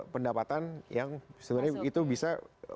pendapatan yang sebenarnya itu bisa